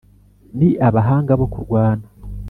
Ni abahanga bo kurwana